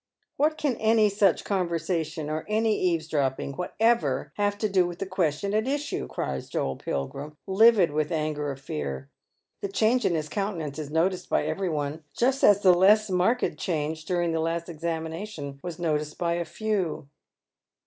•' What can any such conversation, or any eavesdropping whatever, have to do with the question at issue," cries Joel Pilgrim, livid with anger or fear. The change in his countenance is noticed by every one, just as the less marked change during the last examination was noticed by a few.